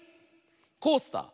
「コースター」。